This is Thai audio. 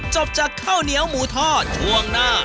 จบจากข้าวเหนียวหมูทอดช่วงหน้า